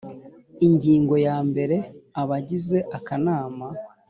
ingingo ya mbere abagize akanama